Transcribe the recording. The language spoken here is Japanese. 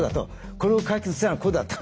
これを解決するにはこうだと。